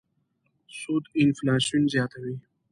سود انفلاسیون زیاتوي.